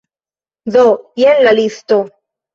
Do, jen la listo